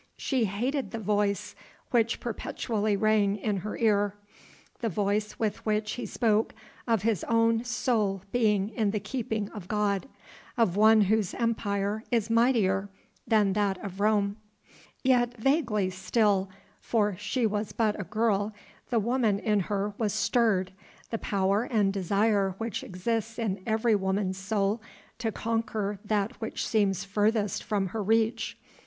She hated the voice which perpetually rang in her ear, the voice with which he spoke of his own soul being in the keeping of God of One Whose Empire is mightier than that of Rome. Yet vaguely still for she was but a girl the woman in her was stirred; the power and desire which exists in every woman's soul to conquer that which seems furthest from her reach.